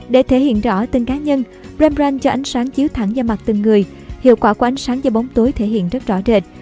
để thể hiện rõ tên cá nhân rambrand cho ánh sáng chiếu thẳng vào mặt từng người hiệu quả của ánh sáng và bóng tối thể hiện rất rõ rệt